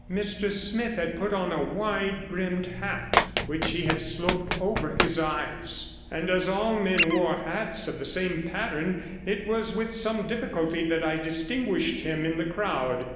Mr Smith had put on a wide brimmed hat, which he had sloped over his eyes, and as all the men wore hats of the same pattern, it was with some difficulty that I distinguished him in the crowd.